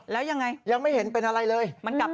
แล้วยังไงยังไม่เห็นเป็นอะไรเลย